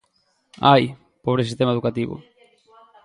Ai... Pobre sistema educativo!